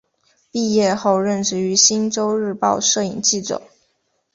毕业后任职于星洲日报摄影记者。